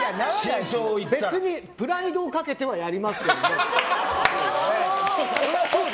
別にプライドをかけてはやりますよ。